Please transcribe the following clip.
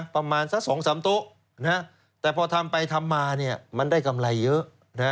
ประมาณสัก๒๓โต๊ะแต่พอทำไปทำมามันได้กำไรเยอะ